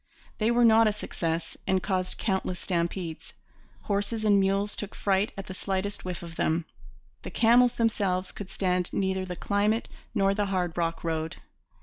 They were not a success and caused countless stampedes. Horses and mules took fright at the slightest whiff of them. The camels themselves could stand neither the climate nor the hard rock road.